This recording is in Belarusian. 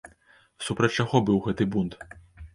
Супраць чаго быў гэты бунт?